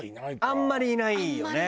あんまりいないよね